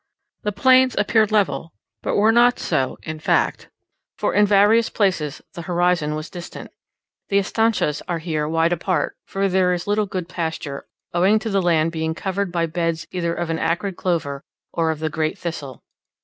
The plains appeared level, but were not so in fact; for in various places the horizon was distant. The estancias are here wide apart; for there is little good pasture, owing to the land being covered by beds either of an acrid clover, or of the great thistle.